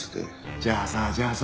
じゃあさじゃあさ